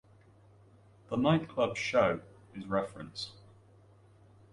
The nightclub Show is referenced.